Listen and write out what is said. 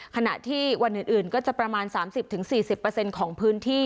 ขณะที่วันอื่นก็จะประมาณ๓๐๔๐ของพื้นที่